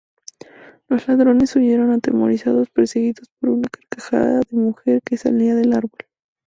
Los ladrones huyeron atemorizados, perseguidos por una carcajada de mujer que salía del árbol.